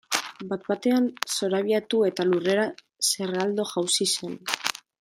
Bat batean zorabiatu eta lurrera zerraldo jausi zen.